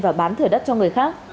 và bán thừa đất cho người khác